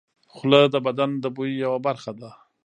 خوله د بدن د بوی یوه برخه ده.